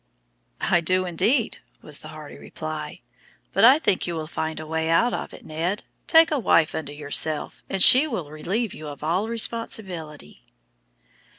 "I do indeed," was the hearty reply; "but I think you will find a way out of it, Ned. Take a wife unto yourself, and she will relieve you of all responsibility."